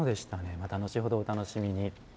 また、後ほどお楽しみに。